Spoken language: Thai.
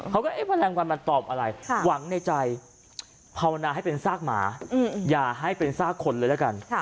เขาก็เอ๊ะแมลงวันมันตอบอะไรหวังในใจภาวนาให้เป็นซากหมาอย่าให้เป็นซากคนเลยละกัน